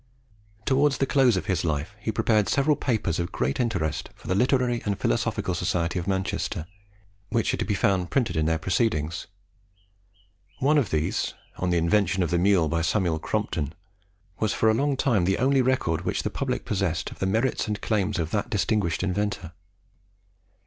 Towards the close of his life, he prepared several papers of great interest for the Literary and Philosophical Society of Manchester, which are to be found printed in their Proceedings; one of these, on the Invention of the Mule by Samuel Crompton, was for a long time the only record which the public possessed of the merits and claims of that distinguished inventor.